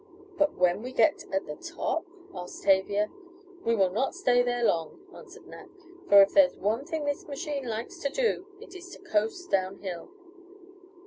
"But when we get at the top?" asked Tavia. "We will not stay there long," answered Nat, "for if there is one thing this machine likes to do it is to coast down hill."